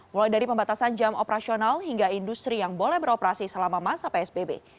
mulai dari pembatasan jam operasional hingga industri yang boleh beroperasi selama masa psbb